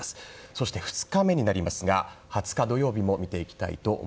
そして２日目になりますが２０日、土曜日です。